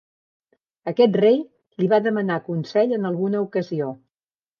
Aquest rei li va demanar consell en alguna ocasió.